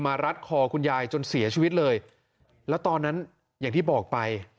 รัดคอคุณยายจนเสียชีวิตเลยแล้วตอนนั้นอย่างที่บอกไป